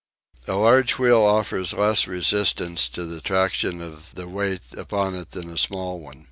A large wheel offers less resistance to the traction of the weight upon it than a small one.